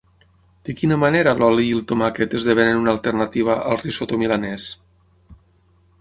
De quina manera l’oli i el tomàquet esdevenen una alternativa al risotto milanès?